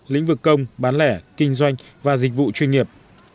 lĩnh vực công bán lẻ kinh doanh và dịch vụ chuyên nghiệp